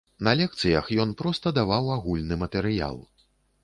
На лекцыях ён проста даваў агульны матэрыял.